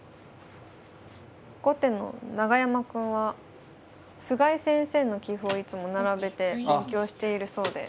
後手の永山くんは菅井先生の棋譜をいつも並べて勉強しているそうで。